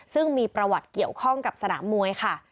ซึ่งมีประวัติเกี่ยวข้องกับสนามมวยค่ะ